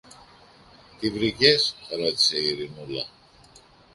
Τι βρήκες; ρώτησε η Ειρηνούλα.